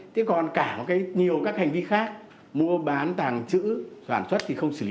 thì còn cả có cái nhiều các hành vi khác mua bán tàng trữ soạn xuất thì không xử lý được